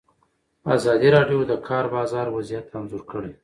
ازادي راډیو د د کار بازار وضعیت انځور کړی.